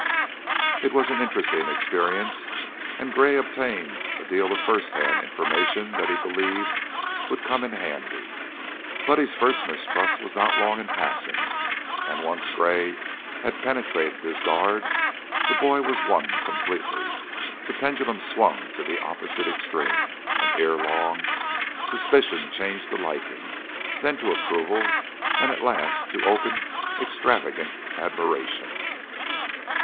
It was an interesting experience, and Gray obtained a deal of first hand information that he believed would come in handy. Buddy's first mistrust was not long in passing, and, once Gray had penetrated his guard, the boy was won completely, the pendulum swung to the opposite extreme, and erelong suspicion changed to liking, then to approval, and at last to open, extravagant admiration.